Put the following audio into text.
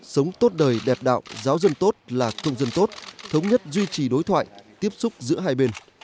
sống tốt đời đẹp đạo giáo dân tốt là công dân tốt thống nhất duy trì đối thoại tiếp xúc giữa hai bên